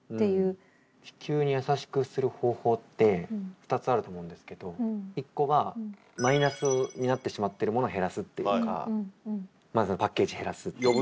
地球にやさしくする方法って２つあると思うんですけど一個はマイナスになってしまってるものを減らすっていうかまずパッケージ減らすとか。